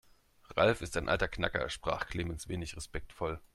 Ralf ist ein alter Knacker, sprach Clemens wenig respektvoll.